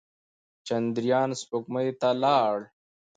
چندریان سپوږمۍ ته لاړ.